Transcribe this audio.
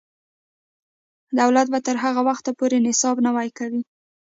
دولت به تر هغه وخته پورې نصاب نوی کوي.